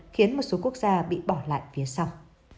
khiến một số quốc gia bị bỏ lại phía sau